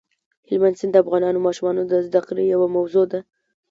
هلمند سیند د افغان ماشومانو د زده کړې یوه موضوع ده.